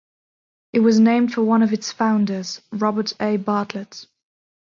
It was named for one of its founders, Robert A. Bartlett.